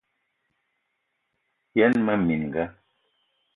Yen mmee minga: